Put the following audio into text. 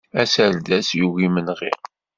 Aserdas yugi imenɣi!